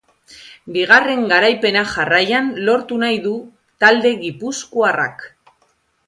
Bigarren garaipena jarraian lortu nahi du talde gipuzkoarrak.